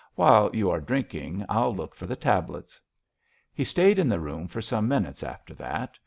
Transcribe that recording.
"While you are drinking, I'll look for the tablets." He stayed in the room for some minutes after that.